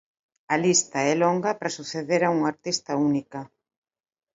A lista é longa para suceder a unha artista única.